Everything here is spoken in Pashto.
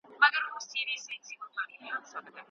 د صبر او زغم درس.